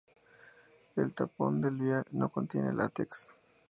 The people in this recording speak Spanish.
El tapón del vial no contiene látex.